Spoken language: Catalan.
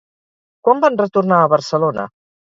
Quan van retornar a Barcelona?